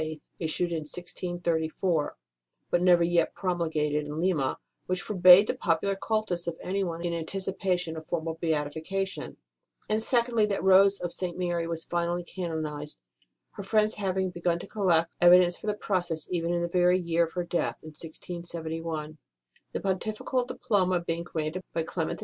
issued in 1634, but never yet promulgated in Lima which forbade the popular cultus of anyone in anticipation of formal beatification ; and secondly, that Rose of St. Mary was finally canonized her friends having begun to collect evidence for the process 1 even in the very year of her death in 1671, the Pontifical diploma being granted by Clement X.